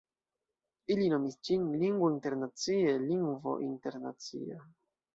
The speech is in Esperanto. li nomis ĝin Linguo internacie, lingvo internacia.